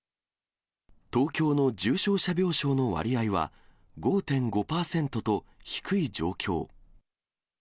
東京の重症者病床の割合は５．５％と低い状況。